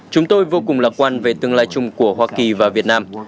chúng tôi vô cùng lạc quan về tương lai chung của hoa kỳ và việt nam